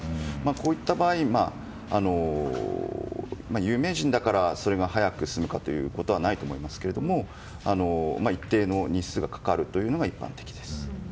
こういった場合に有名人だからそれが早く進むかということはないと思いますが一定の日数がかかるというのが一般的です。